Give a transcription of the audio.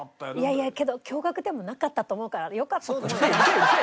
いやいやけど共学でもなかったと思うからよかったと思うよ。